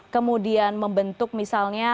kemudian membentuk misalnya